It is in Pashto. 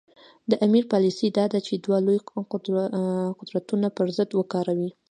د امیر پالیسي دا ده چې دوه لوی قدرتونه پر ضد وکاروي.